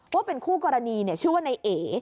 ว่าเป็นคู่กรณีชื่อว่านายเอ